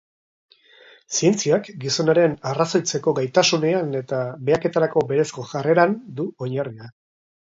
Zientziak gizonaren arrazoitzeko gaitasunean eta behaketarako berezko jarreran du oinarria.